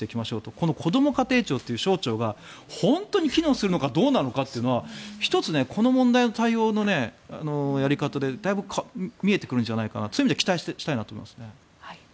このこども家庭庁という省庁が本当に機能するかどうかは１つ、この問題の対応のやり方でだいぶ見えてくるんじゃないかとそういう意味では期待したいと思います。